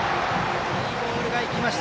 いいボールが行きました。